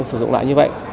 sử dụng lại như vậy